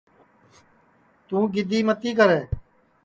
توں گیدی متی کرے